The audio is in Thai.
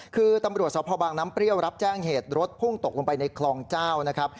คือตำรวจสพบางน้ำเปรี้ยวรับแจ้งเหตุรถพุ่งตกลงไปในคลองเจ้านะครับ